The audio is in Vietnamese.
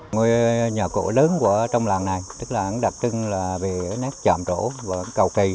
ngôi nhà cổ lớn của trong làng này tức là đặc trưng là về nét trạm trộn và cầu cây